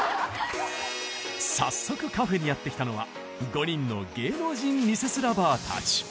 早速カフェにやって来たのは５人の芸能人ミセス ＬＯＶＥＲ たち